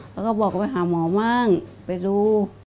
แล้วก็บอกว่าไปหาหมอบ้างไปดู